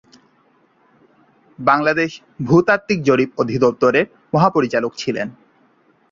বাংলাদেশ ভূতাত্ত্বিক জরিপ অধিদপ্তরের মহাপরিচালক ছিলেন।